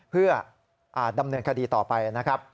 เพื่อดำเนินคดีต่อไปนะครับ